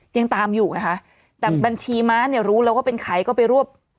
ยังตามอยู่ไงคะแต่บัญชีม้าเนี่ยรู้แล้วว่าเป็นใครก็ไปรวบ